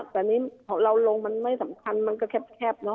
แต่นี่เราลงมันไม่สำคัญมันก็แคบเนอ